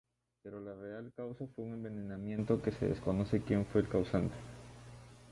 Pero la real causa fue un envenenamiento que se desconoce quien fue el causante.